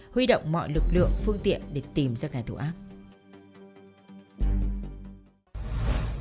huy động mọi lực lượng phương tiện để tìm ra cái tù áp